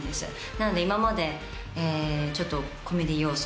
なので今までちょっとコメディー要素